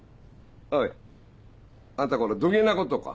おいあんたこれどねぇなことか。